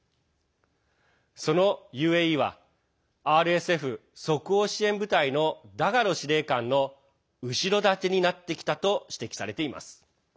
そのＵＡＥはＲＳＦ＝即応支援部隊のダガロ司令官の後ろ盾になってきたと指摘されています。